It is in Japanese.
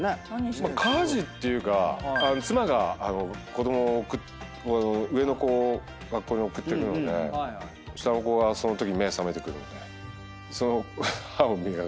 まあ家事っていうか妻が子供を上の子を学校に送ってくので下の子がそのときに目覚めてくるので。